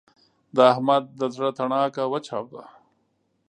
د احمد د زړه تڼاکه وچاوده.